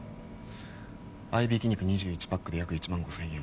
合い挽き肉２１パックで約１万５０００円